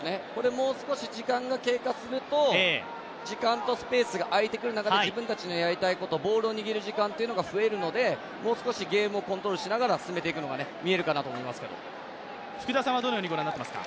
もう少し時間が経過すると、時間とスペースが空いてくる中で自分たちがやりたいこと、ボールを握る時間が増えるので、もう少しゲームをコントロールしながら進めていくのが見えるかなと思いますけど。